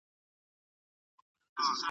نور به نو ملنګ جهاني څه درکړي .